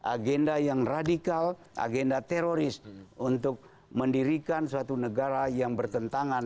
agenda yang radikal agenda teroris untuk mendirikan suatu negara yang bertentangan